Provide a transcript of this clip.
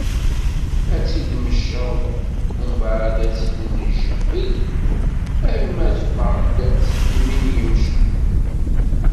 Ad tt-id-nmecceḍ, umbeɛd ad tt-id-njebbed, alma teffeɣ-d seg yimi n yimceḍ.